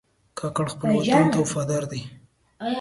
کاکړ خپل وطن ته وفادار دي.